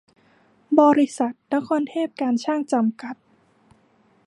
บริษัท นครเทพการช่าง จำกัด